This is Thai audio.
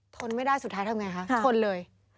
ทนไม่ได้สุดท้ายทำอย่างไรคะทนเลย